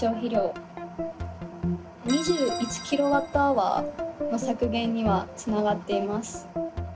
２１ｋＷｈの削減にはつながっています。